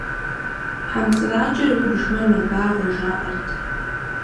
Хьэмцӏыракӏэр убжмэ, мэбагъуэ, жаӏэрт.